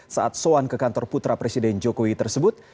saat soan ke kantor putra presiden jokowi tersebut